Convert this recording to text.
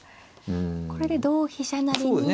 これで同飛車成に。